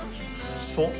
そう？